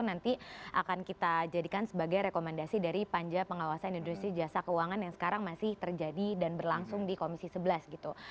nanti akan kita jadikan sebagai rekomendasi dari panja pengawasan industri jasa keuangan yang sekarang masih terjadi dan berlangsung di komisi sebelas gitu